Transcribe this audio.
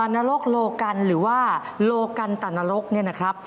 นรกโลกันหรือว่าโลกันตะนรกเนี่ยนะครับ